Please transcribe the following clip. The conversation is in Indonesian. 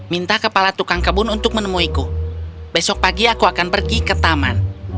minta kepala tukang kebun untuk menemuiku besok pagi aku akan pergi ke taman